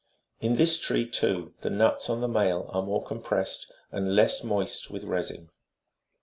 29 In this tree, too, the nuts on the male are more compressed, and less moist with resin.